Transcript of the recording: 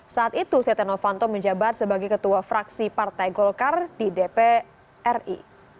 saat itu setia novanto menjabat sebagai ketua fraksi partai golkar di dpr ri